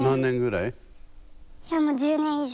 いやもう１０年以上。